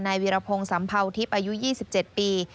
ในวิรพงศ์สำเภาทิพฯอายุ๒๗ปี